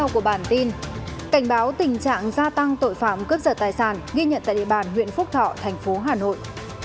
cảnh báo tình trạng gia tăng tội phạm cướp giật tài sản ghi nhận tại địa bàn huyện phúc thọ thành phố hà nội